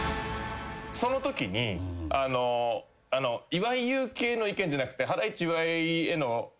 そのときに岩井勇気への意見じゃなくて。